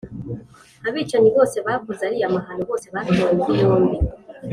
Abicanyi bose bakoze ariya mahano bose batawe muri yombi